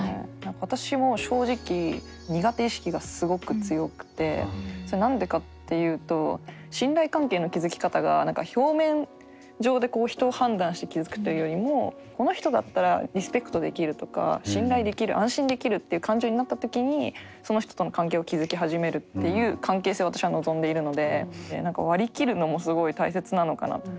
私も正直苦手意識がすごく強くて何でかっていうと信頼関係の築き方が何か表面上で人を判断して築くというよりもこの人だったらリスペクトできるとか信頼できる安心できるっていう感情になった時にその人との関係を築き始めるっていう関係性を私は望んでいるので何か割り切るのもすごい大切なのかなと。